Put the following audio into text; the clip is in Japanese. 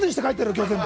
今日、全部！